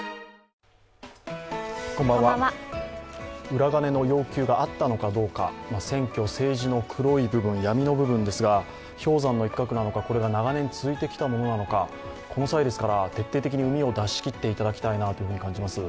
裏金の要求があったのかどうか、選挙、政治の黒い部分、闇の部分ですが氷山の一角なのか、これが長年続いてきたものなのかこの際ですから徹底的にうみを出しきっていただきたいなと思います。